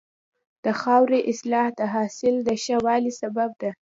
د خاورې اصلاح د حاصل د ښه والي سبب ده.